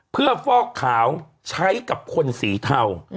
เพื่อฟอกขาวใช้กับคนสีเทา